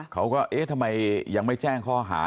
เขาก็เอ๊ะทำไมยังไม่แจ้งข้อหา